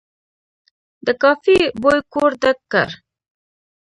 د کافي بوی کور ډک کړ.